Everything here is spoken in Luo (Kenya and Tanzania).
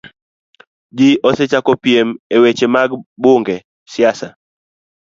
Ji osechako piem e weche mag bunge, siasa,